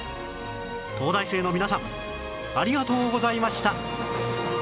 東大生の皆さんありがとうございました